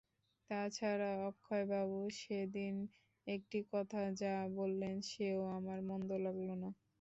তা ছাড়া অক্ষয়বাবু সেদিন একটি কথা যা বললেন সেও আমার মন্দ লাগল না।